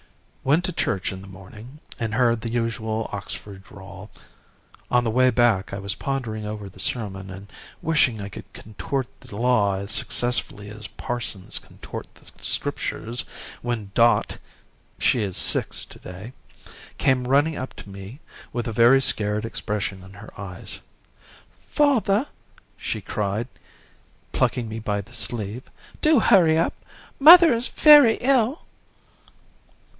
_ Went to church in the morning and heard the usual Oxford drawl. On the way back I was pondering over the sermon and wishing I could contort the Law as successfully as parsons contort the Scriptures, when Dot she is six to day came running up to me with a very scared expression in her eyes. 'Father,' she cried, plucking me by the sleeve, 'do hurry up. Mother is very ill.'